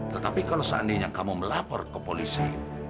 tetapi kalau seandainya kamu melapor ke polisi